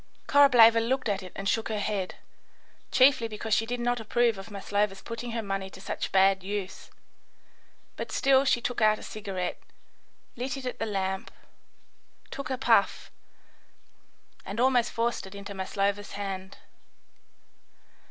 Korableva looked at it and shook her head, chiefly because see did not approve of Maslova's putting her money to such bad use; but still she took out a cigarette, lit it at the lamp, took a puff, and almost forced it into Maslova's hand.